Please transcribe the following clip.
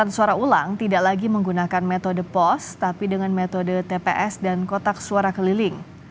pemeriksaan suara ulang tidak lagi menggunakan metode pos tapi dengan metode tps dan kotak suara keliling